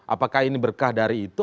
apakah ini berkah dari itu